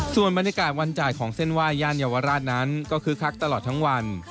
ส่วนบรรยากาศวันจ่ายของเส้นไหว้ย่านเยาวราชนั้นก็คึกคักตลอดทั้งวัน